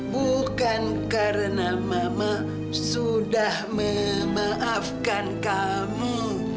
bukan karena mama sudah memaafkan kamu